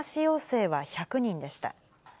陽性は１００人でした。